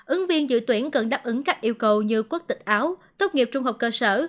ứng viên dự tuyển cần đáp ứng các yêu cầu như quốc tịch áo tốt nghiệp trung học cơ sở